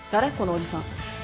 おじさん。